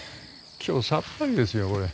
今日さっぱりですよこれ。